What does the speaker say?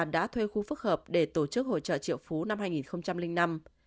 đã thuê khu phức hợp để tổ chức hội trợ triệu phú năm hai nghìn năm